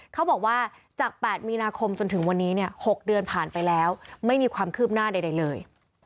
เขาบอกว่าจาก๘มีนาคมจนถึงวันนี้เนี่ย๖เดือนผ่านไปแล้วไม่มีความคืบหน้าใดเลย